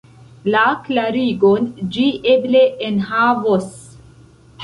La klarigon ĝi eble enhavos.